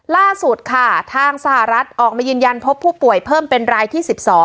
ล่าสุดค่ะทางสหรัฐออกมายืนยันพบผู้ป่วยเพิ่มเป็นรายที่๑๒